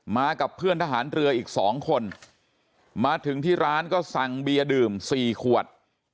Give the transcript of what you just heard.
มากับเพื่อนทหารเรืออีก๒คนมาถึงที่ร้านก็สั่งเบียร์ดื่ม๔ขวด